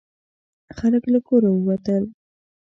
خلک له کوره ووتل.